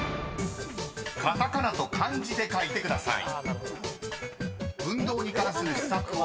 ［カタカナと漢字で書いてください］